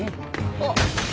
あっ！